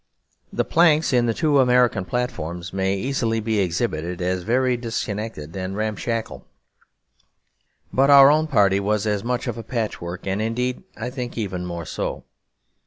The planks in the two American platforms may easily be exhibited as very disconnected and ramshackle; but our own party was as much of a patchwork, and indeed I think even more so.